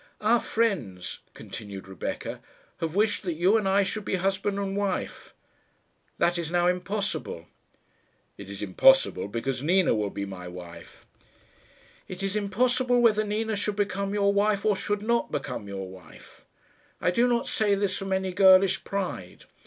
"Our friends," continued Rebecca, "have wished that you and I should be husband and wife. That is now impossible." "It is impossible because Nina will be my wife." "It is impossible, whether Nina should become your wife or should not become your wife. I do not say this from any girlish pride.